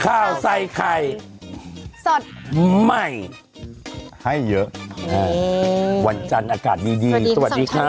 ข้าวใส่ไข่สดใหม่ให้เยอะวันจันทร์อากาศดีดีสวัสดีค่ะ